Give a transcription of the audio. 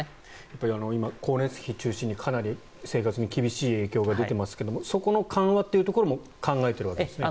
今、光熱費中心に生活に厳しい状況が出てきていますがそこの緩和というところも考えているわけですね。